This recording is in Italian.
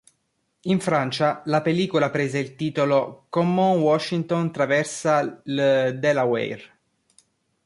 In Francia, la pellicola prese il titolo "Comment Washington traversa le Delaware".